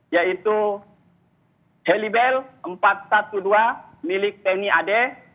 yaitu helibel empat ratus dua belas milik tni ad